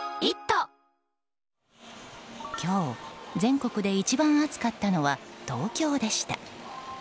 今日、全国で一番暑かったのは東京でした。